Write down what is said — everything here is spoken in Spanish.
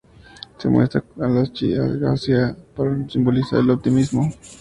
Se muestra con las alas hacia arriba para simbolizar el optimismo.